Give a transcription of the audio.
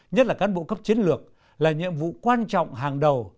nhất là cán bộ cấp chiến lược là nhiệm vụ quan trọng hàng đầu